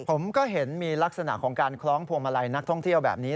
ผมก็เห็นมีลักษณะของการคล้องพวงมาลัยนักท่องเที่ยวแบบนี้